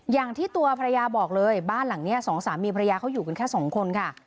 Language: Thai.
อย่างที่ตัวภรรยาบอกเลยบ้านหลังนี้สองสามีภรรยาเขาอยู่กันแค่สองคนค่ะ